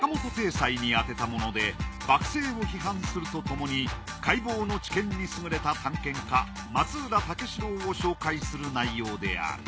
斎に宛てたもので幕政を批判するとともに海防の知見に優れた探検家松浦武四郎を紹介する内容である。